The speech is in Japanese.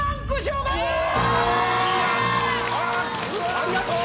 ありがとう！